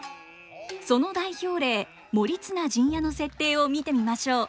その代表例「盛綱陣屋」の設定を見てみましょう。